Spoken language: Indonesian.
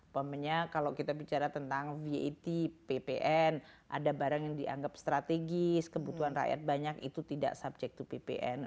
pokoknya kalau kita bicara tentang vat ppn ada barang yang dianggap strategis kebutuhan rakyat banyak itu tidak subject to ppn